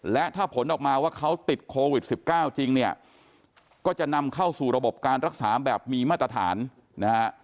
และถ้าผลออกมาว่าเขาติดโควิด๑๙จริงเนี่ยก็จะนำเข้าสู่ระบบการรักษาแบบมีมาตรฐานนะฮะ